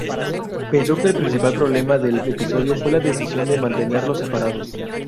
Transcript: Pensó que el principal problema del episodio fue la decisión de mantenerlos separados.